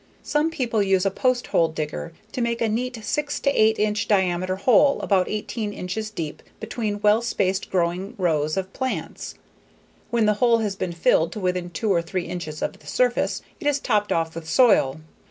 Some people use a post hole digger to make a neat six to eight inch diameter hole about eighteen inches deep between well spaced growing rows of plants. When the hole has been filled to within two or three inches of the surface, it is topped off with soil.